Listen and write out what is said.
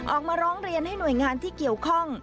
ออกมาร้องเรียนให้หน่วยงานที่เกี่ยวข้อง